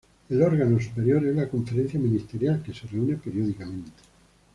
El órgano superior es la Conferencia Ministerial, que se reúne periódicamente.